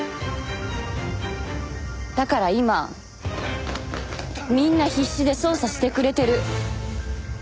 だから今みんな必死で捜査してくれてる。